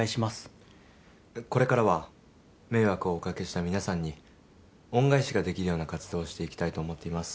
これからは迷惑をおかけした皆さんに恩返しができるような活動をしていきたいと思っています